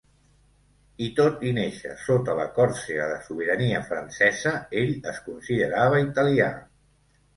I tot i néixer sota la Còrsega de sobirania francesa, ell es considerava italià.